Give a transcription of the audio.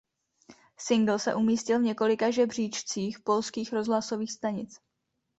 Singl se umístil v několika žebříčcích polských rozhlasových stanic.